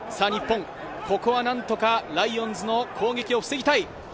ここは何とかライオンズの攻撃を防ぎたい。